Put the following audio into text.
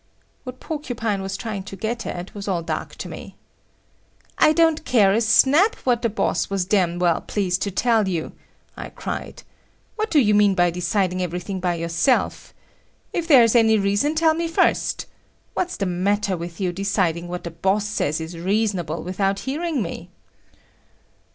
What Porcupine was trying to get at was all dark to me. "I don't care a snap what the boss was damn well pleased to tell you," I cried. "What do you mean by deciding everything by yourself! If there is any reason, tell me first. What's the matter with you, deciding what the boss says is reasonable without hearing me."